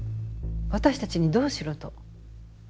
私たちにどうしろと？